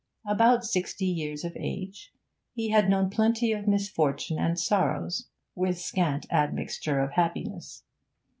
About sixty years of age, he had known plenty of misfortune and sorrows, with scant admixture of happiness.